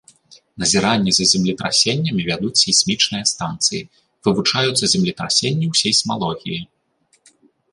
Назіранні за землетрасеннямі вядуць сейсмічныя станцыі, вывучаюцца землетрасенні ў сейсмалогіі.